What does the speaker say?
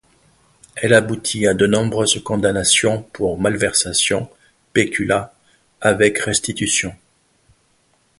Elle aboutit à de nombreuses condamnations pour malversation, péculat, avec restitutions.